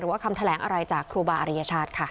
คำแถลงอะไรจากครูบาอริยชาติค่ะ